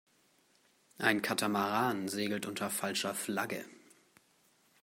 Ein Katamaran segelt unter falscher Flagge.